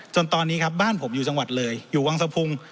จนตอนนี้ครับบ้านผมอยู่จังหวัดเลยอยู่วังสะพุง